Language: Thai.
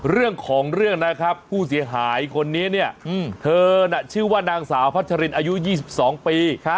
เรื่องของเรื่องนะครับผู้เสียหายคนนี้เนี่ยเธอน่ะชื่อว่านางสาวพัชรินอายุ๒๒ปี